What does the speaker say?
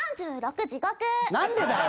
何でだよ！